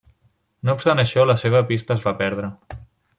No obstant això la seva pista es va perdre.